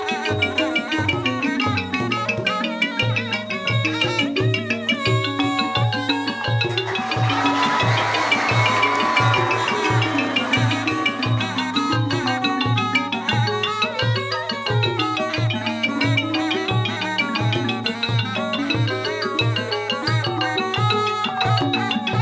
สวัสดีครับ